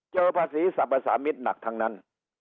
เจอภาษีศัพท์สามิตรหนักทั้งนั้น